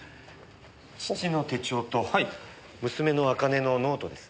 父の手帳と娘の茜のノートです。